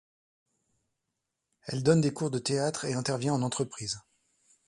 Elle donne des cours de Théâtre et intervient en Entreprise.